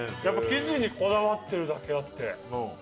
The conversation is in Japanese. やっぱり生地にこだわってるだけあって。